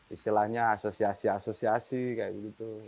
istilahnya asosiasi asosiasi kayak gitu